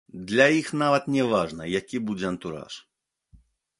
Для іх нават не важна, які будзе антураж.